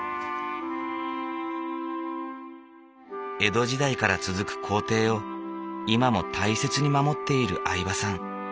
江戸時代から続く工程を今も大切に守っている饗庭さん。